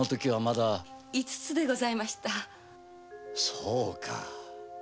そうか。